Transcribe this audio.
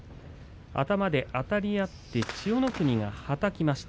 頭であたり合って千代の国がはたきました